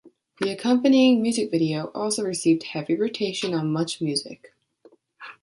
The accompanying music video also received heavy rotation on MuchMusic.